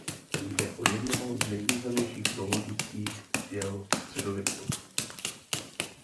Jde o jedno z nejvýznamnějších zoologických děl středověku.